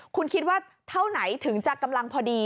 คุณคิดว่าเท่าไหนถึงจะกำลังพอดี